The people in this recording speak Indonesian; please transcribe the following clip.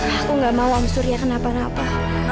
aku gak mau om surya kenapa napa